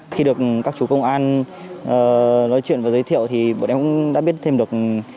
khi được các chú công an nói chuyện và giới thiệu thì bọn em cũng đã biết thêm được